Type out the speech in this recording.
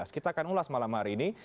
kita akan ulas malam hari ini